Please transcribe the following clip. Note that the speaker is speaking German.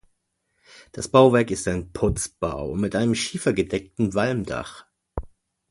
Das Bauwerk ist ein Putzbau mit einem schiefergedeckten Walmdach.